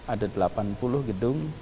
ada delapan puluh gedung